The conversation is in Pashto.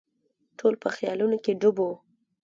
ټول په خیالونو کې ډوب وو.